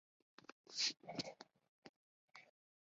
他的发球和上网被公认为网球史上最优雅之一。